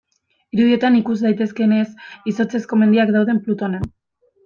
Irudietan ikus daitekeenez, izotzezko mendiak daude Plutonen.